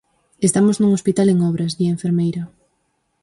"Estamos nun hospital en obras", di a enfermeira.